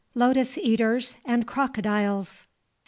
LOTUS EATERS AND CROCODILES.